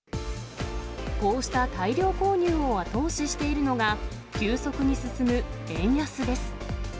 こうした大量購入を後押ししているのが、急速に進む円安です。